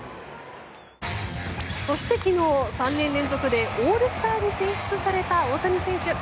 そして昨日、３年連続でオールスターに選出された大谷選手。